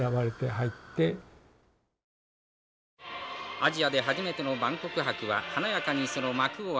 「アジアで初めての万国博は華やかにその幕を開けました」。